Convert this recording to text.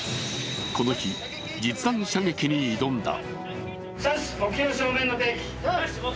この日、実弾射撃に挑んだ。